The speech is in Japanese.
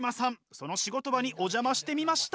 その仕事場にお邪魔してみました。